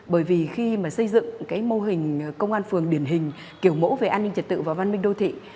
bởi vì khi mà xây dựng cái mô hình công an phường điển hình kiểu mẫu về an ninh trật tự và văn minh đô thị